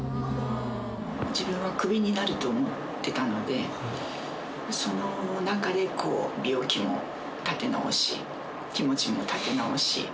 自分はクビになると思ってたので、その中で病気も立て直し、気持ちも立て直し。